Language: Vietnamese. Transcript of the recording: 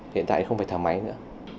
hiện tại không phải thở máy nữa